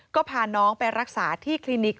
ก็พาน้องไปรักษาที่คลินิก